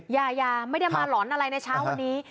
ยายาไม่ได้มาหลอนอะไรในเช้าวันนี้